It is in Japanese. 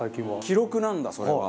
記録なんだそれは。